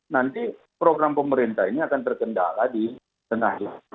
nanti program pemerintah ini akan terkendala di tengah itu